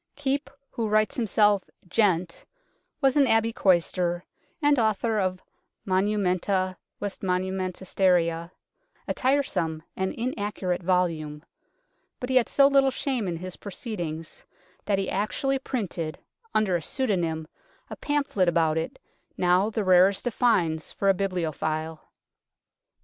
Keepe, who writes himself " gent," was an Abbey chorister, and author of Monumenta Westmonasteriensia, a tiresome and inaccurate volume, but he had so little shame in his proceeding that he actually printed, under a pseudonym, a pamphlet about it, now the rarest of finds for a bibliophile.